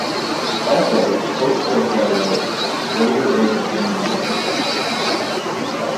Also, a post-war satellite Greater Arab Union was discussed.